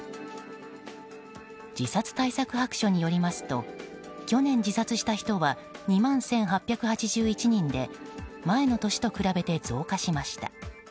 自殺対策白書によりますと去年、自殺した人は２万１８８１人で前の年と比べて増加しました。